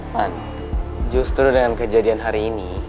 pan justru dengan kejadian hari ini